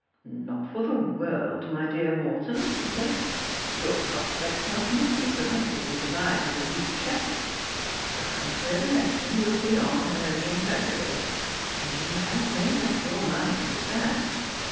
' Not for the world, my dear Morton,' he said ; 'your pros pects must not be blighted because I have a weak chest. The Highclere election will be on early in February, and you have made up your mind to stand.